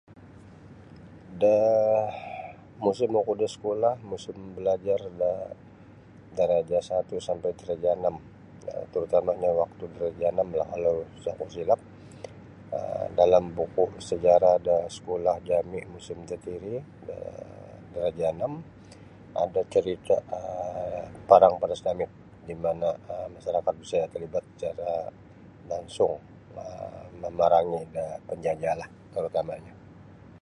Daa musim oku da sekolah musim balajar da darajah satu sampai darajah anam um tarutamanyo waktu darajah anamlah kalau sa' oku silap um dalam buku sejarah da sekolah jami' musim tatiri um darajah anam ada' carita' um parang Padas Damit di mana' masarakat Bisaya' tarlibat secara langsung um mamarangi' da panjajahlah tarutama'nyo.